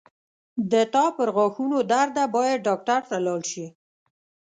د تا پرغاښونو درد ده باید ډاکټر ته لاړ شې